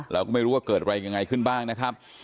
เราก็ไม่รู้ว่าเกิดอะไรยังไงขึ้นบ้างนะครับ